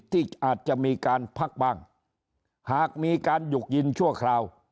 ที่อาจจะมีการพักบ้างหากมีการหยุกยินชั่วคราว